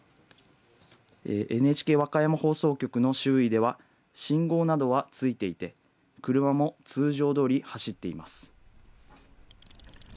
ＮＨＫ和歌山放送局の周囲では信号などはついていて、車も通常どおり走っています。